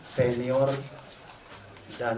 yang akan kita lakukan